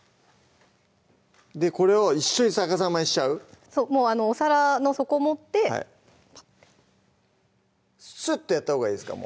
これを一緒に逆さまにしちゃうそうもうお皿の底持ってパッスッてやったほうがいいですか？